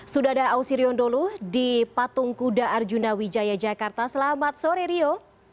sudah ada ausirion dholu di patung kuda arjuna wijaya jakarta selamat sore rio